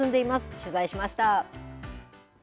取材しました。